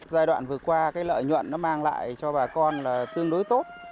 giai đoạn vừa qua lợi nhuận mang lại cho bà con tương đối tốt